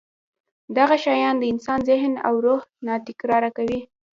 دغه شیان د انسان ذهن او روح ناکراره کوي.